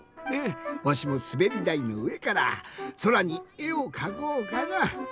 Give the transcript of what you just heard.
わしもすべりだいのうえからそらにえをかこうかな。